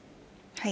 はい。